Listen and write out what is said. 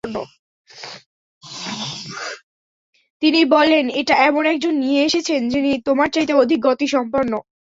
তিনি বললেন, এটা এমন একজন নিয়ে এসেছেন যিনি তোমার চাইতে অধিক গতিসম্পন্ন।